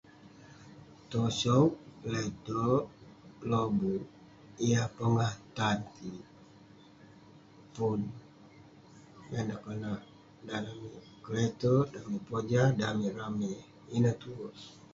Tosog leterk lobuk yah pongah tan kik pun. Yah neh konak dan amik keleterk, dan amik pojah, dan amik ramey. Ineh tue.